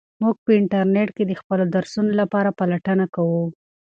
موږ په انټرنیټ کې د خپلو درسونو لپاره پلټنه کوو.